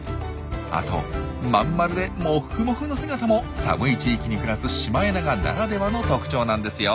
あとまん丸でモフモフの姿も寒い地域に暮らすシマエナガならではの特徴なんですよ。